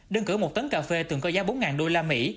đơn cửa một tấn cà phê tường coi giá bốn đô la mỹ